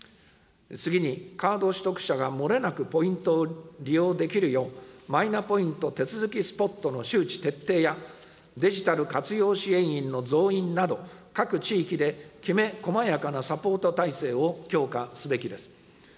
次にカード取得者が漏れなくポイントを利用できるよう、マイナポイント手続スポットの周知徹底や、デジタル活用支援員の増員など、各地域できめ細やかなサポート体制を強化すべきです。